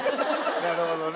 なるほどね。